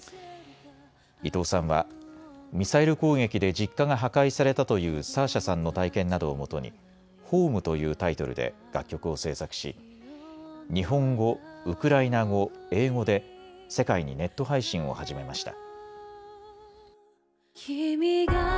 伊藤さんはミサイル攻撃で実家が破壊されたというサーシャさんの体験などをもとにＨｏｍｅというタイトルで楽曲を制作し日本語、ウクライナ語、英語で世界にネット配信を始めました。